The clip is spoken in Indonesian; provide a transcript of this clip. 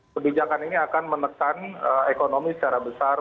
kebijakan ini akan menekan ekonomi secara besar